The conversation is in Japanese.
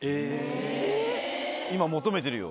今求めてるよ。